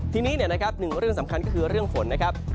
ทีนี้นะครับหนึ่งเรื่องสำคัญก็คือเรื่องฝนนะครับ